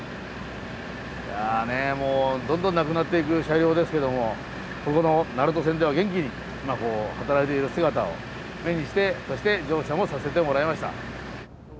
いやどんどんなくなっていく車両ですけどもここの鳴門線では元気に働いている姿を目にしてそして乗車もさせてもらいました。